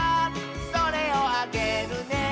「それをあげるね」